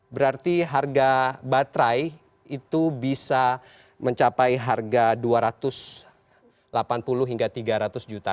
berarti harga baterai itu bisa mencapai harga dua ratus delapan puluh hingga tiga ratus juta